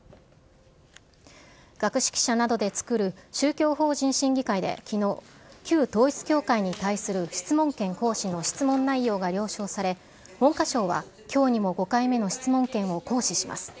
学識者などで作る宗教法人審議会できのう、旧統一教会に対する質問権行使の質問内容が了承され、文科省はきょうにも５回目の質問権を行使します。